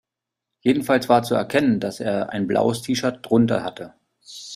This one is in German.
Jedenfalls war zu erkennen, dass er ein blaues T-Shirt drunter hatte.